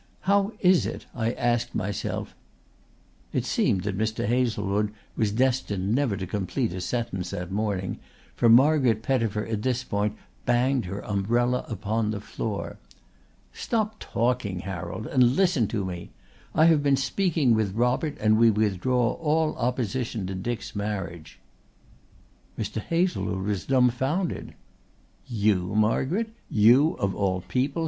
How is it, I asked myself " It seemed that Mr. Hazlewood was destined never to complete a sentence that morning, for Margaret Pettifer at this point banged her umbrella upon the floor. "Stop talking, Harold, and listen to me! I have been speaking with Robert and we withdraw all opposition to Dick's marriage." Mr. Hazlewood was dumfoundered. "You, Margaret you of all people!"